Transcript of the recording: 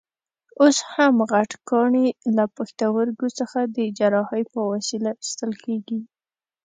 اوس هم غټ کاڼي له پښتورګو څخه د جراحۍ په وسیله ایستل کېږي.